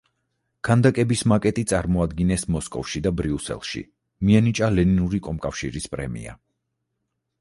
ქანდაკების მაკეტი წარმოადგინეს მოსკოვში და ბრიუსელში, მიენიჭა ლენინური კომკავშირის პრემია.